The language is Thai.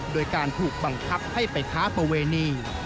โดยการถูกบังคับให้ไปค้าประเวณี